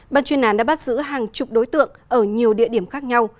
ban chuyên án đã bắt giữ hàng chục đối tượng ở nhiều địa điểm khác nhau